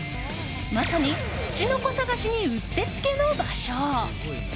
まさに、つちのこ探しにうってつけの場所。